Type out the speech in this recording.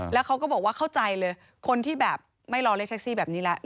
แล้วเขาก็บอกว่าเข้าใจเลยคนที่แบบไม่รอเลขแท็กซี่แบบนี้แล้ว